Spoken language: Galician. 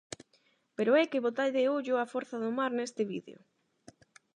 Pero é que botade ollo á forza do mar neste vídeo: